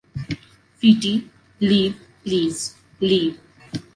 Fiti, leave, please. Leave.